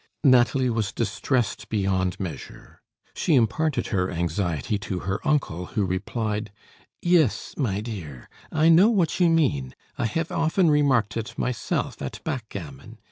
Nathalie was distressed beyond measure. She imparted her anxiety to her uncle, who replied: "Yes, my dear, I know what you mean; I have often remarked it myself, at backgammon.